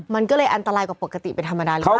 มันก็ค่อนข้างก็อันตรายกว่าปกติเป็นธรรมดาได้แล้ว